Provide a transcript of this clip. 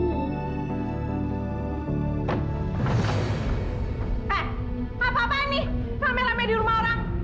eh apa apaan nih rame rame di rumah orang